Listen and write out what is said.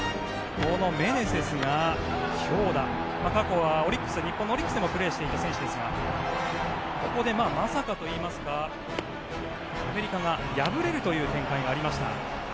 メネセスが強打過去は日本のオリックスでもプレーしていた選手ですがここでまさかといいますかアメリカが敗れるという展開がありました。